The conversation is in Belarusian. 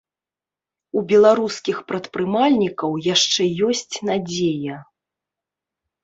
У беларускіх прадпрымальнікаў яшчэ ёсць надзея.